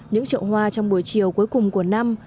những trậu hoa trong buổi chiều cuối cùng của năm